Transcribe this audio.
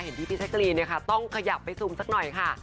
ที่พี่แจ๊กรีนต้องขยับไปซูมสักหน่อยค่ะ